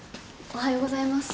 おはようございます。